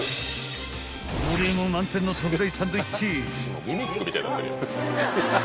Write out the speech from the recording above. ［ボリューム満点の特大サンドイッチ］